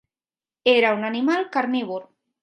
Era un animal carnívor.